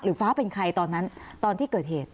ฟ้าเป็นใครตอนนั้นตอนที่เกิดเหตุ